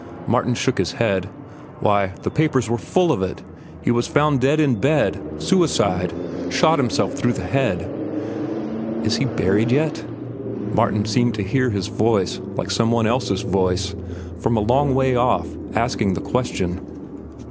Martin shook his head. "Why, the papers were full of it. He was found dead in bed. Suicide. Shot himself through the head." "Is he buried yet?" Martin seemed to hear his voice, like some one else's voice, from a long way off, asking the question.